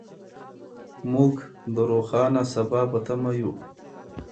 موږ د روښانه سبا په تمه یو.